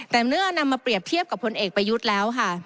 แต่เมื่อนำมาเปรียบเทียบกับพลเอกประยุทธ์แล้วค่ะ